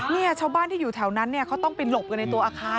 เนี่ยชาวบ้านที่อยู่แถวนั้นเนี่ยเขาต้องไปหลบกันในตัวอาคาร